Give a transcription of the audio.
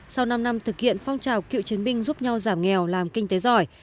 sau năm năm thực hiện phong trào cựu chiến binh giúp nhau giảm nghèo làm kinh tế giỏi